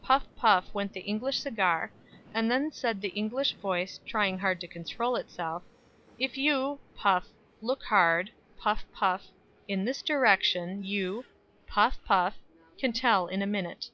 Puff, puff, went the English cigar, and then said the English voice, trying hard to control itself: "If you" puff "look hard" puff, puff "in this direction, you" puff, puff "can tell in a minute."